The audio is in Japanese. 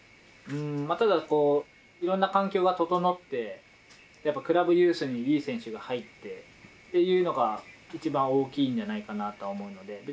ただいろんな環境が整ってクラブユースにいい選手が入ってっていうのがいちばん大きいんじゃないかなとは思うので。